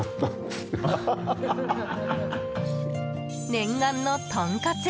念願のとんかつ。